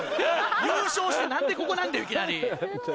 優勝して何でここなんだよいきなり！